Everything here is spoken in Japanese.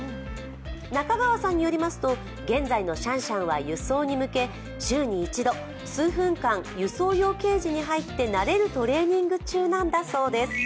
中川さんによりますと現在のシャンシャンは輸送に向け週に１度数分間、輸送用ケージに入って慣れるトレーニング中なんだそうです。